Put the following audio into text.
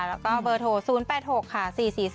แล้วก็เบอร์โทร๐๘๖๔๔๐๓๕๓๑ค่ะ